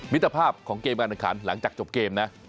มิตรภาพของเกมการแข่งขันหลังจากจบเกมนะ